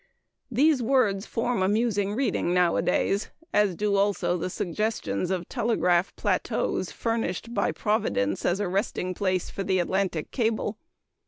These words form amusing reading nowadays, as do also the suggestions of "telegraph plateaus" furnished by Providence as a resting place for the Atlantic cable.